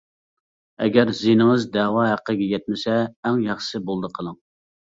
ئەگەر زىيىنىڭىز دەۋا ھەققىگە يەتمىسە ئەڭ ياخشىسى بولدى قىلىڭ.